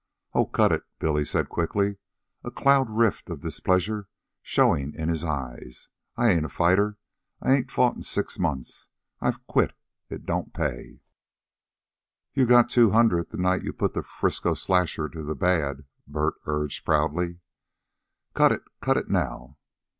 "Oh, cut it," Billy said quickly, a cloud rift of displeasure showing in his eyes. "I ain't a fighter. I ain't fought in six months. I've quit it. It don't pay." "Yon got two hundred the night you put the Frisco Slasher to the bad," Bert urged proudly. "Cut it. Cut it now.